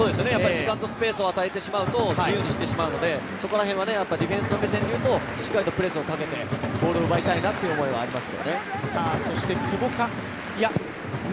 時間とスペースを与えてしまうと自由にさせてしまうのでそこら辺はディフェンスの目線でいうと、しっかりとプレスをかけてボールを奪いたいなという思いはあります。